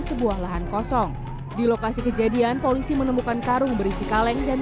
sebuah lahan kosong di lokasi kejadian polisi menemukan karung berisi kaleng dan